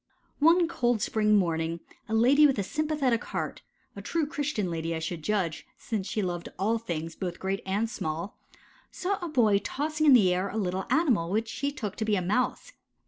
One cold spring morning a lady with a sympathetic heart a true Christian lady I should judge, since she loved all things "both great and small" saw a boy tossing in the air a little animal which she took to be a Mouse.